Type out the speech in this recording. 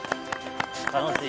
楽しい。